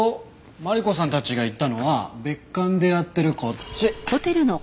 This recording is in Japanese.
マリコさんたちが行ったのは別館でやってるこっち。